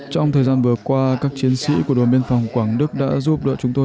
trong thời gian vừa qua các chiến sĩ của đồn biên phòng quảng đức đã giúp đỡ chúng tôi